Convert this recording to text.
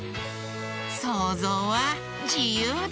そうぞうはじゆうだ！